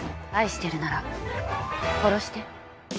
愛してるなら殺して。